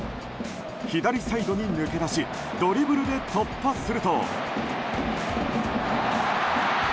左サイドに抜け出しドリブルで突破すると。